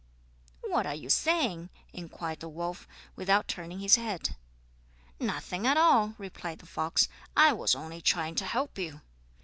"What are you saying?" inquired the wolf, without turning his head. "Nothing at all," replied the fox. "I was only trying to help you."